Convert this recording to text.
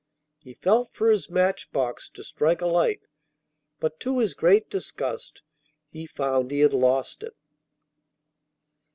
He felt for his match box to strike a light, but to his great disgust he found he had lost it.